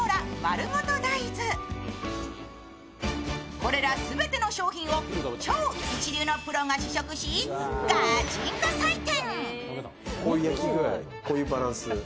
これら全ての商品を超一流のプロが試食しガチンコ採点。